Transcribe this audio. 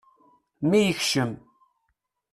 Mi yekcem.